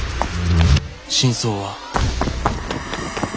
「真相は」。